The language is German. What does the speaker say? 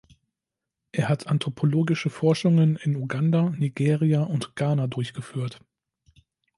Er hat anthropologische Forschungen in Uganda, Nigeria und Ghana durchgeführt.